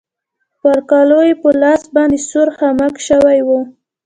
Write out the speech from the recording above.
پر کالو يې په لاس باندې سور خامک شوی و.